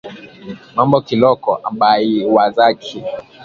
Mambo kiloko abaiwazaki